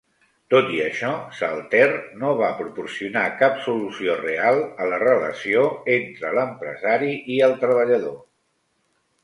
Tot i això, Saltaire no va proporcionar cap solució real a la relació entre l'empresari i el treballador.